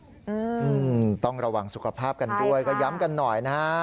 อืมต้องระวังสุขภาพกันด้วยก็ย้ำกันหน่อยนะฮะ